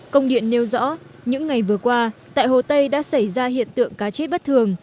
công điện nêu rõ những ngày vừa qua tại hồ tây đã xảy ra hiện tượng cá chết bất thường